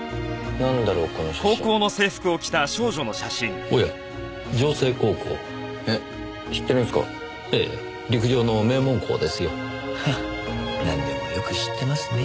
なんでもよく知ってますねぇ。